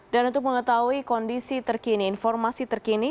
dan untuk mengetahui kondisi terkini informasi terkini